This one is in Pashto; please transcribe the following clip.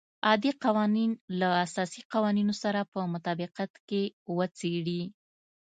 عادي قوانین له اساسي قوانینو سره په مطابقت کې وڅېړي.